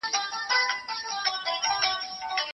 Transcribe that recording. ايا پانګه په معاصر اقتصاد کي د پخوا په څير مهم رول لري؟